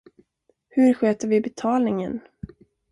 Hur sköter vi betalningen?